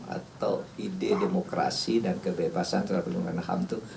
atau ide demokrasi dan kebebasan terhadap perlindungan ham itu